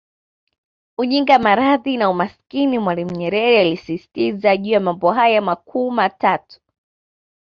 Ujinga maradhi na Umaskini Mwalimu Nyerere alisisitiza juu ya mambo haya makuu matatu